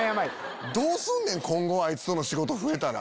どうすんねん今後あいつとの仕事増えたら。